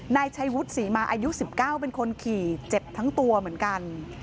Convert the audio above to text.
นายชัยวุฒิศรีมาอายุ๑๙เป็นคนขี่เจ็บทั้งตัวเหมือนกัน